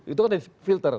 itu kan ada filter